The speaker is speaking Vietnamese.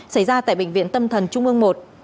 xảy ra tại bệnh viện tâm thần trung ương i